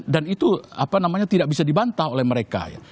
dan itu apa namanya tidak bisa dibantah oleh mereka ya